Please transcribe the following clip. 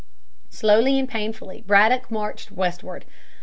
Slowly and painfully Braddock marched westward.